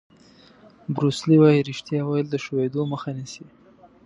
بروس لي وایي ریښتیا ویل د ښویېدو مخه نیسي.